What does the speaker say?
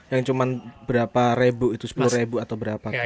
yang cuman berapa ribu itu sepuluh ribu atau berapa